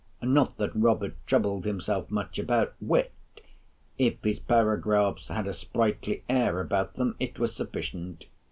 Not that Robert troubled himself much about wit. If his paragraphs had a sprightly air about them, it was sufficient.